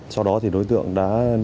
sau đó thì đối tượng đã